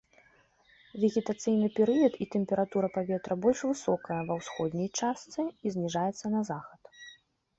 Вегетацыйны перыяд і тэмпература паветра больш высокая ва ўсходняй частцы і зніжаецца на захад.